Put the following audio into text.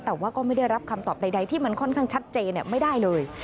แต่ว่าก็ไม่ได้รับคำตอบใดที่มันค่อนข้างชัดเจนไม่ได้เลย